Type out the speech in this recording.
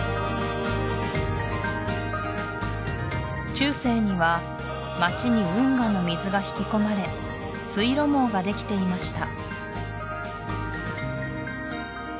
中世には街に運河の水が引き込まれ水路網ができていました